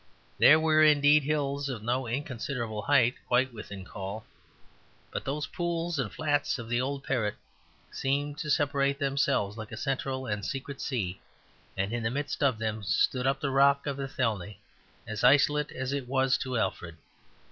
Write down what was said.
There were indeed hills of no inconsiderable height quite within call; but those pools and flats of the old Parrett seemed to separate themselves like a central and secret sea; and in the midst of them stood up the rock of Athelney as isolate as it was to Alfred.